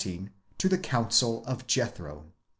to the counsel of Jethro.